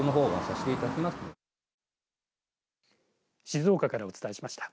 静岡からお伝えしました。